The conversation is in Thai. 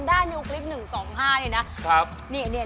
ไปเล่นข้างนอก